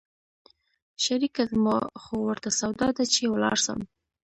شريکه زما خو ورته سودا ده چې ولاړ سم.